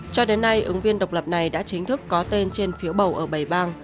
cho đến nay ứng viên độc lập này đã chính thức có tên trên phiếu bầu ở bảy bang